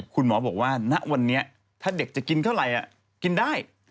คุณหมอบอกว่าณวันนี้ถ้าเด็กจะกินเท่าไหร่กินได้